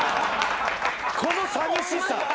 この寂しさ。